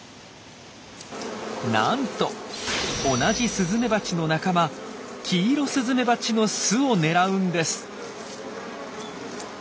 なんと同じスズメバチの仲間キイロスズメバチの巣を狙うんです。